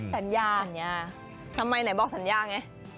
สัญญาสัญญาทำไมไหนบอกสัญญาไง